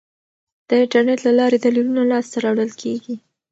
د انټرنیټ له لارې دلیلونه لاسته راوړل کیږي.